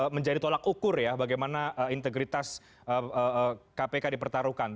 menjadi tolak ukur ya bagaimana integritas kpk dipertaruhkan